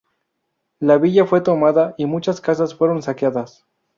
La villa fue tomada y muchas casas fueron saqueadas.